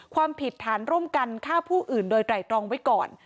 ความผิดฐานร่วมกันฆ่าผู้อื่นโดยไตรตรองไว้ก่อน